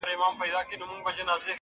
• ړوند یو وار امساء ورکوي -